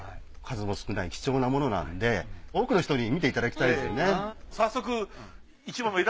数も少ない貴重なものなので多くの人に見ていただきたいですよね。